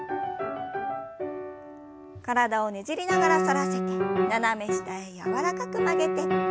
体をねじりながら反らせて斜め下へ柔らかく曲げて。